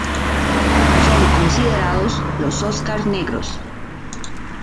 Son considerados los "Óscars Negros".